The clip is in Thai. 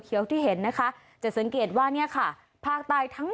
ฮัลโหลฮัลโหลฮัลโหลฮัลโหล